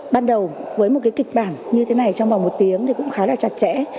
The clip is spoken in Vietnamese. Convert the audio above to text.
ban đầu với một cái kịch bản như thế này trong vòng một tiếng thì cũng khá là chặt chẽ